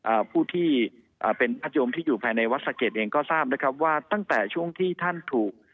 อ่าผู้ที่อ่าเป็นพระโยมที่อยู่ภายในวัดสะเก็ดเองก็ทราบนะครับว่าตั้งแต่ช่วงที่ท่านถูก